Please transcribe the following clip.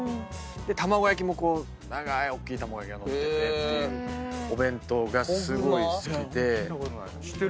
卵焼きも長ーいおっきい卵焼きが載っててっていうお弁当がすごい好きで。